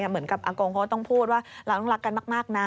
เหมือนกับอากงเขาก็ต้องพูดว่าเราต้องรักกันมากนะ